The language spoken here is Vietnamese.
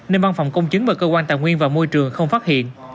nên văn phòng công chứng và cơ quan tài nguyên và môi trường không phát hiện